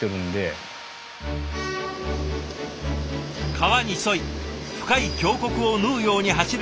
川に沿い深い峡谷を縫うように走るこの鉄道。